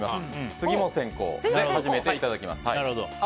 次も先攻で始めていただきます。